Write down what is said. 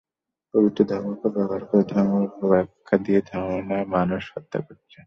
পবিত্র ধর্মকে ব্যবহার করে ধর্মের অপব্যাখ্যা দিয়ে ধর্মের নামে মানুষ হত্যা করছে।